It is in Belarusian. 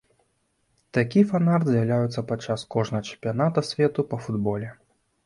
Такі фан-арт з'яўляецца падчас кожнага чэмпіяната свету па футболе.